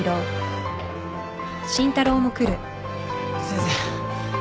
先生。